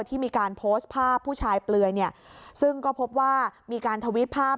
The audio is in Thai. ที่มีการโพสต์ภาพผู้ชายเปลือยเนี่ยซึ่งก็พบว่ามีการทวิตภาพ